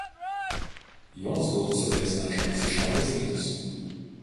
Jos Golfo srovės nešamos į šiaurės rytus.